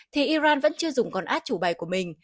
thì iran vẫn chưa dùng còn át chủ bài của mình